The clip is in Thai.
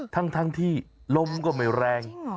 ทั้งที่ล้มก็ไม่แรง